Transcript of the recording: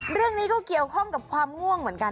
เรื่องนี้ก็เกี่ยวข้องกับความง่วงเหมือนกัน